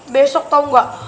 besok tau gak